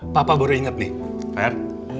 papa baru ingat nih ver